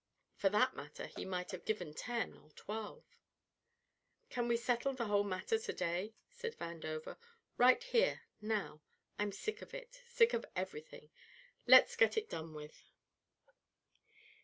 For that matter he might have given ten or twelve. "Can't we settle the whole matter to day?" said Vandover. "Right here now. I'm sick of it, sick of everything. Let's get it done with."